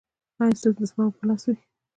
ایا ستاسو دستمال به په لاس وي؟